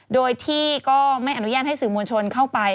โดยที่ก็ไม่อนุญาตให้สื่อมวลชนเข้าไป